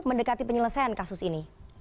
mendekati penyelesaian kasus ini